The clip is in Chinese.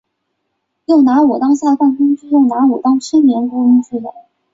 但也有人质疑情商是否是一种智力能力的扩展表现。